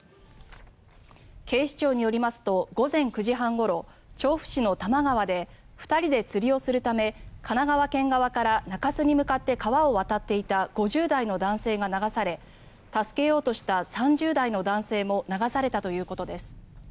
警視庁によりますと午前９時半ごろ調布市の多摩川で２人で釣りをするため神奈川県側から中州に向かって川を渡っていた５０代の男性が流され助けようとした３０代の男性も流されたということです。